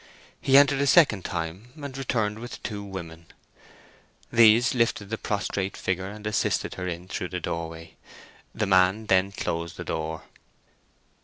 He entered a second time, and returned with two women. These lifted the prostrate figure and assisted her in through the doorway. The man then closed the door.